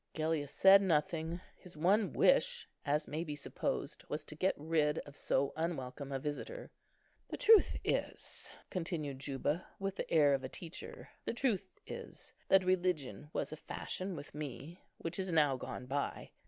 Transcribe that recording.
Agellius said nothing; his one wish, as may be supposed, was to get rid of so unwelcome a visitor. "The truth is," continued Juba, with the air of a teacher—"the truth is, that religion was a fashion with me, which is now gone by.